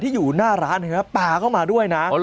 ที่อยู่หน้าร้านเนี่ยปากเขามาด้วยนะ